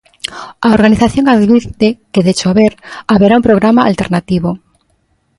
A organización advirte que de chover, haberá un programa alternativo.